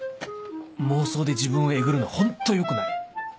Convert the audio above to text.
妄想で自分をえぐるのホントよくない